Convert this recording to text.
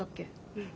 うん。